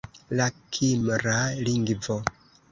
La kimra lingvo.